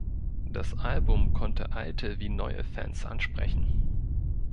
Das Album konnte alte wie neue Fans ansprechen.